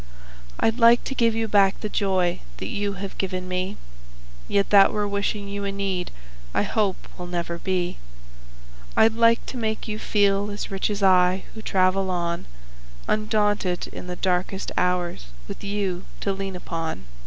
I'd like to give you back the joy that you have given me, Yet that were wishing you a need I hope will never be; I'd like to make you feel as rich as I, who travel on Undaunted in the darkest hours with you to lean upon.